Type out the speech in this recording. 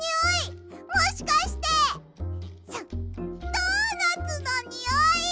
ドーナツのにおい！